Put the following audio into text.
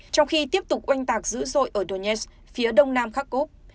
trong khi tiếp tục oanh tạc dữ dội ở donetsk phía đông nam kharkov